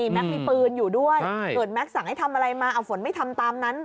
แม็คมีปืนอยู่ด้วยเขินมั๊กสั่งให้ทำอะไรมาเอาฝนไม่ทำตามนั้น